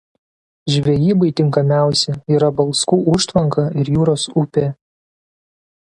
Žvejybai tinkamiausia yra Balskų užtvanka ir Jūros upė.